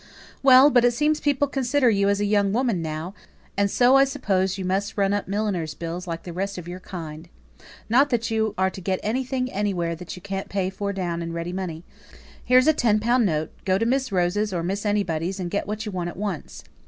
"Well, but it seems people consider you as a young woman now, and so I suppose you must run up milliners' bills like the rest of your kind. Not that you're to get anything anywhere that you can't pay for down in ready money. Here's a ten pound note; go to Miss Rose's, or Miss anybody's, and get what you want at once.